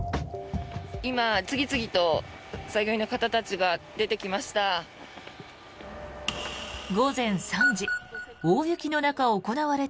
今、次々と作業員の方たちが出てきました。